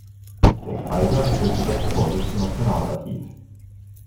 Der Kaiser bestimmte das Gebäude zum Nationalarchiv.